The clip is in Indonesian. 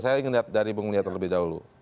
saya ingin lihat dari bung nia terlebih dahulu